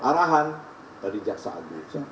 arahan dari jaksa agung